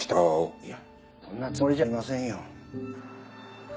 いやぁそんなつもりじゃありませんよ。